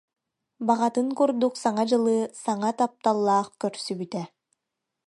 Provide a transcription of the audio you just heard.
Баҕатын курдук Саҥа дьылы саҥа тапталлаах көрсүбүтэ